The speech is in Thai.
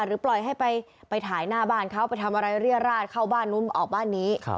หรือปล่อยให้ไปถ่ายหน้าบ้านเขาไปทำอะไรเรียราชเข้าบ้านนู้นออกบ้านนี้